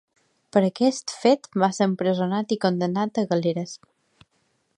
Per aquest fet va ser empresonat i condemnat a galeres.